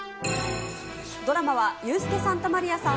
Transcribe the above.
ドラマはユースケ・サンタマリアさん